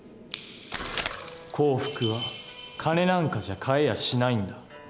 幸福は金なんかじゃ買えやしないんだ。